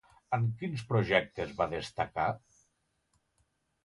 En quins projectes va destacar?